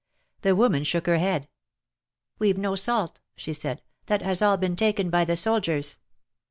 The woman shook her head. We've no salt," she said, — ''that has all been taken by the soldiers."